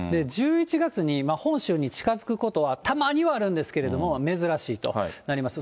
１１月に本州に近づくことはたまにはあるんですけれども、珍しいとなります。